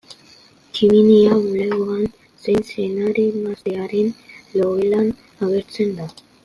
Tximinia, bulegoan zein senar-emaztearen logelan agertzen da.